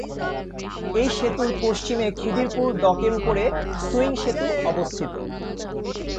এই সেতুর পশ্চিমে খিদিরপুর ডকের উপরে সুইং সেতু অবস্থিত।